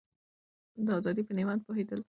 د ازادۍ په نعمت پوهېدل د هر ویښ وجدان دنده ده.